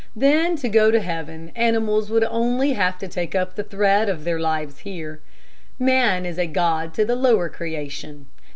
Then to go to heaven, animals would only have to take up the thread of their lives here. Man is a god to the lower creation.